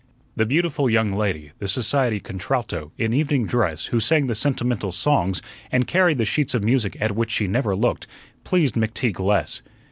The beautiful young lady, "The Society Contralto," in evening dress, who sang the sentimental songs, and carried the sheets of music at which she never looked, pleased McTeague less.